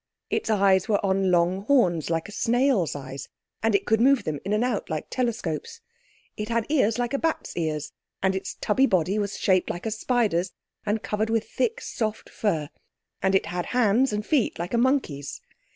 Its eyes were on long horns like snail's eyes, and it could move them in and out like telescopes. It had ears like a bat's ears, and its tubby body was shaped like a spider's and covered with thick soft fur—and it had hands and feet like a monkey's.